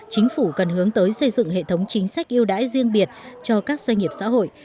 chính phủ cần hướng tới xây dựng hệ thống chính sách yêu đãi riêng biệt cho các doanh nghiệp xã hội